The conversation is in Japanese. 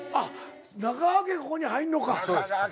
中川家ここに入んのか。